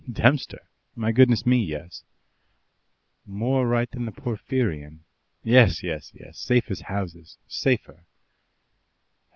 "Dempster! My goodness me, yes." "More right than the Porphyrion?" "Yes, yes, yes; safe as houses safer."